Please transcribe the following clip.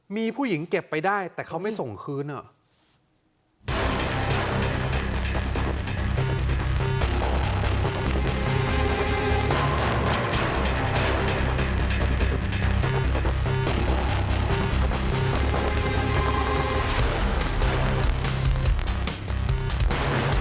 มีผู้หญิงเก็บไปได้แต่เขาไม่ส่งคืนเหรอ